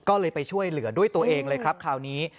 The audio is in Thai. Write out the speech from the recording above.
ก็เลยไปช่วยเหลือด้วยตัวเองเลยครับคราวนี้